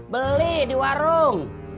beli di warung